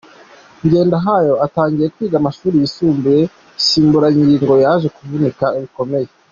Ngendahayo atangiye kwiga amashuri yisumbuye iyo nsimburangingo yaje kuvunika bikomeye.